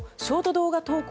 動画投稿